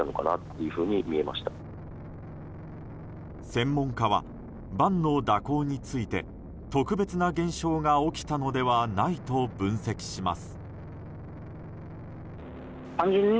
専門家はバンの蛇行について特別な現象が起きたのではないと分析します。